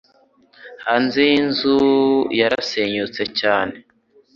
Hanze yinzu yarasenyutse cyane.